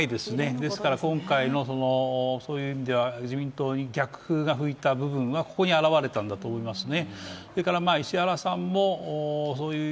ですから、今回、自民党に逆風が吹いた部分はここに表れたんだと思いますね。